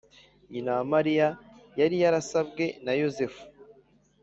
Nyina Mariya yari yarasabwe na Yosefu,